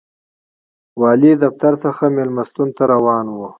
والي دفتر څخه مېلمستون ته روان و.